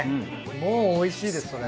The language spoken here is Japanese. もうおいしいですそれ。